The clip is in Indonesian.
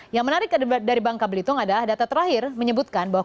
yang menarik dari bangka belitung adalah data terakhir menyebutkan bahwa